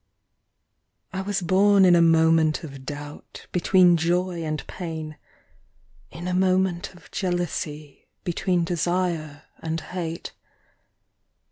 ANALYSIS. I WAS born in a moment of doubt Between joy and pain, In a moment of jealousy Between desire and hate.